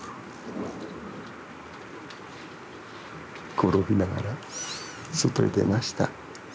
転びながら外へ出ました。